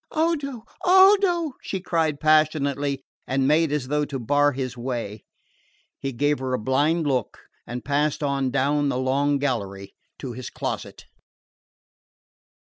"Odo! Odo!" she cried passionately, and made as though to bar his way. He gave her a blind look and passed on down the long gallery to his closet.